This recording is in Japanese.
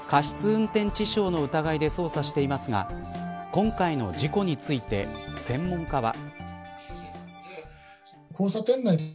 運転致傷の疑いで捜査していますが今回の事故について専門家は。